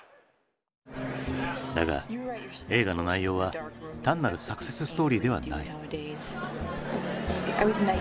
だが映画の内容は単なるサクセスストーリーではない。